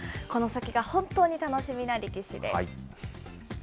この先が本当に楽しみな力士です。